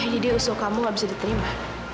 jadi usul kamu gak bisa diterima